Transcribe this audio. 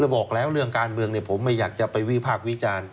บอกแล้วเรื่องการเมืองผมไม่อยากจะไปวิพากษ์วิจารณ์